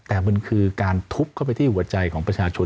แต่มันคือการทุบเข้าไปที่หัวใจของประชาชน